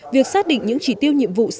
việc xác định những chỉ tiêu nhiệm vụ